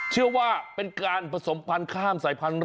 เชื่อว่าเป็นการผสมพันธ์ข้ามสายพันธุ์